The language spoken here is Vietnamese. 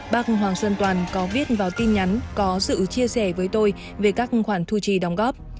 bác hoàng sơn toàn có viết vào tin nhắn có sự chia sẻ với tôi về các khoản thu chi đóng góp